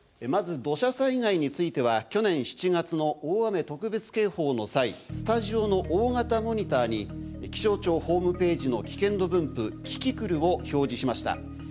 まず土砂災害については去年７月の大雨特別警報の際スタジオの大型モニターに気象庁ホームページの危険度分布キキクルを表示しました。